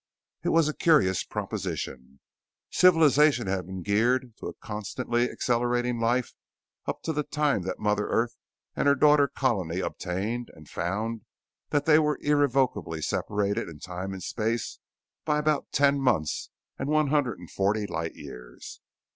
It was a curious proposition; Civilization had been geared to a constantly accelerating life up to the time that Mother Earth and her daughter colony obtained and found that they were irrevocably separated in time and space by about ten months and one hundred forty light years.